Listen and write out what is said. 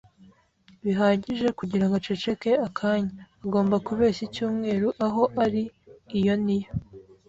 bihagije kugirango aceceke akanya; agomba kubeshya icyumweru aho ari - iyo ni yo